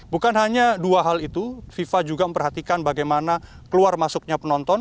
bukan hanya dua hal itu fifa juga memperhatikan bagaimana keluar masuknya penonton